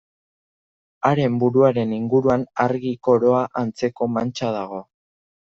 Haren buruaren inguruan argi koroa antzeko mantxa dago.